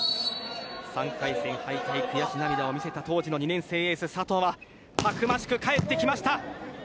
３回戦敗退、悔し涙を見せた当時の２年生エース・佐藤はたくましく帰ってきました。